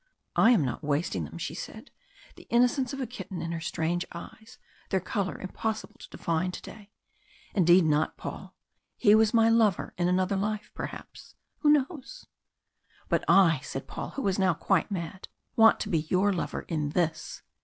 "I am not wasting them," she said, the innocence of a kitten in her strange eyes their colour impossible to define to day. "Indeed not, Paul! He was my lover in another life perhaps who knows?" "But I," said Paul, who was now quite mad, "want to be your lover in this!"